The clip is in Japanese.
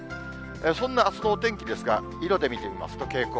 そんなあすのお天気ですが、色で見てみますと、傾向。